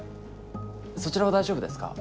そちらは大丈夫ですか？